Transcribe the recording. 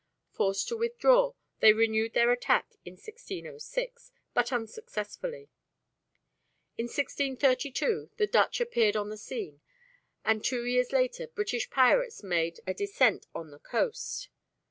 Forced to withdraw, they renewed their attack in 1606, but unsuccessfully. In 1632 the Dutch appeared on the scene, and two years later British pirates made a descent on the coast.